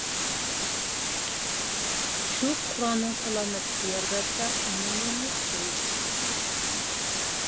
شۇ پۇقرانىڭ سالامەتلىكى يار بەرسە، ئۇنىڭدىنمۇ پىكىر ئېلىشى كېرەك.